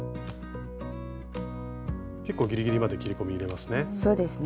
結構ギリギリまで切り込み入れますね。